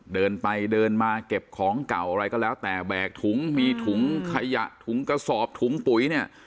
เดินไปเดินมาเก็บของเก่าอะไรก็แล้วแต่แบกถุงมีถุงขยะถุงกระสอบถุงปุ๋ยเนี่ย